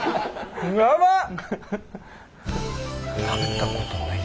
やばっ！